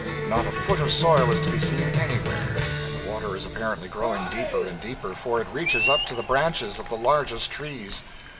Not a foot of soil is to be seen anywhere, and the water is apparently growing deeper and deeper, for it reaches up to the branches of the largest trees.